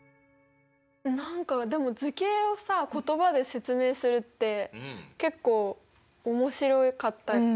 何かでも図形をさ言葉で説明するって結構面白かったかも。